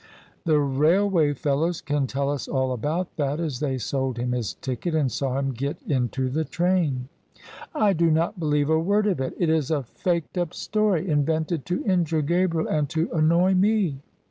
The railway fellows can tell us all about that, as they sold him his ticket and saw him get into the train." " I do not believe a word of it. It is a faked up story, invented to injure Gabriel and to annoy me."